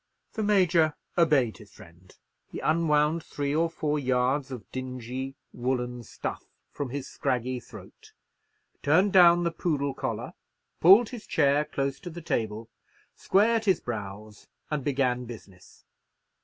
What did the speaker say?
The Major obeyed his friend; he unwound three or four yards of dingy woollen stuff from his scraggy throat, turned down the poodle collar, pulled his chair close to the table, squared his brows, and began business.